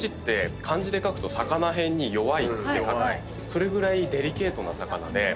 それぐらいデリケートな魚で。